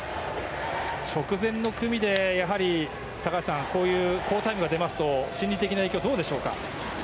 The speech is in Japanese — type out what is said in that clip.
直前の組で高橋さん、好タイムが出ますと心理的な影響はどうでしょうか。